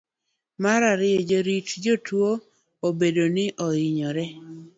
mar ariyo. jorit jotuwo bende ne ohinyore